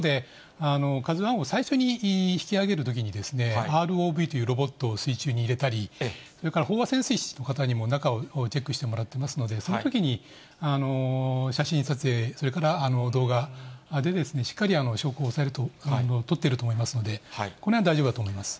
一方で、ＫＡＺＵＩを最初に引き揚げるときにですね、ＲＯＶというロボットを水中に入れたり、それから、飽和潜水士の方にも中をチェックしてもらってますので、そのときに写真撮影、それから動画で、しっかり証拠を押さえるというのを、とってると思いますので、このへんは大丈夫だと思います。